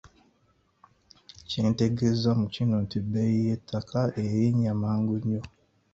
Kyentegeeza mu kino nti bbeeyi y’ettaka erinnya mangu nnyo.